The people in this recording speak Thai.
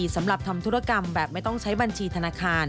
สำหรับทำธุรกรรมแบบไม่ต้องใช้บัญชีธนาคาร